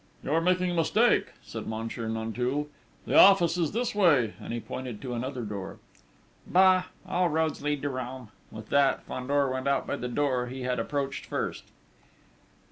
"You are making a mistake," said Monsieur Nanteuil, "the office is this way," and he pointed to another door. "Bah! All roads lead to Rome!" With that, Fandor went out by the door he had approached first....